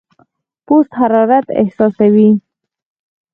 پوست حرارت احساسوي.